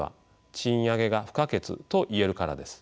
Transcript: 賃上げが不可欠と言えるからです。